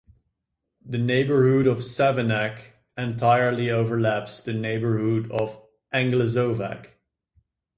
The neighborhood of Savinac entirely overlaps the neighborhood of Englezovac.